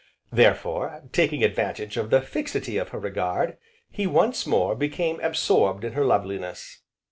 Therefore, taking advantage of the fixity of her regard, he, once more, became absorbed in her loveliness.